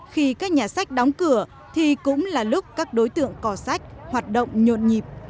khi các nhà sách đóng cửa thì cũng là lúc các đối tượng cỏ sách hoạt động nhột nhịp